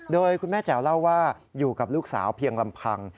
โดยคุณแม่แจ๋วเล่าว่าอยู่กับลูกสาวเพียงลำพัง